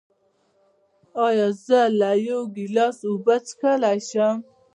ایا زه له یو ګیلاس اوبه څښلی شم؟